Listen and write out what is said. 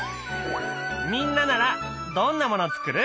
みんなならどんなもの作る？